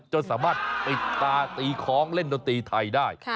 จนสามารถปิดตาตีคล้องเล่นดนตรีไทยได้